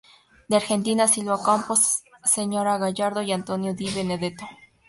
De Argentina; Silvina Ocampo, Sara Gallardo y Antonio Di Benedetto.